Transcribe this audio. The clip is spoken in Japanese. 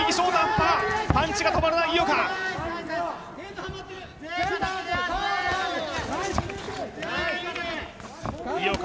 パンチが止まらない井岡。